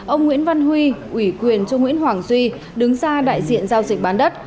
ông nguyễn văn huy ủy quyền cho nguyễn hoàng duy đứng ra đại diện giao dịch bán đất